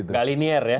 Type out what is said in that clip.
nggak linear ya